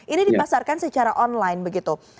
ini dipasarkan secara online begitu